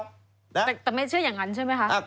แต่ไม่เชื่ออย่างนั้นใช่ไหมคะ